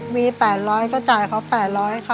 มี๘๐๐ก็จ่ายเขา๘๐๐ค่ะ